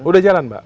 sudah jalan mbak